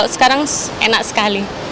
sekarang enak sekali